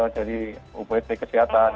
dari ubp kesehatan